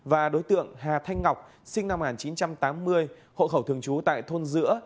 và đối tượng hà thanh ngọc sinh năm một nghìn chín trăm tám mươi hộ khẩu thường trú tại thôn giữa